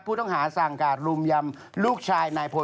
ผู้ต้องหาสั่งการรุมยำลูกชายนายพล